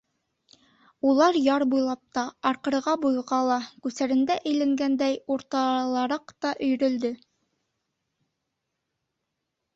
Улар яр буйлап та, арҡырыға-буйға ла, күсәрендә әйләнгәндәй, урталараҡ та өйрөлдө.